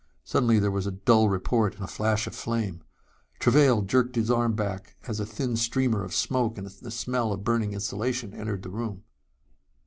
Suddenly there was a dull report and a flash of flame. Travail jerked his arm back as a thin streamer of smoke and the smell of burning insulation entered the room.